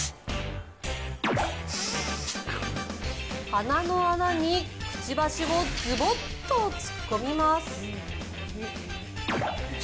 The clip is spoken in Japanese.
鼻の穴にくちばしをズボッと突っ込みます。